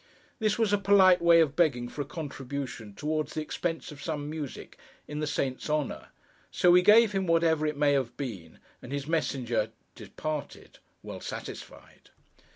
This was a polite way of begging for a contribution towards the expenses of some music in the Saint's honour, so we gave him whatever it may have been, and his messenger departed: well satisfied.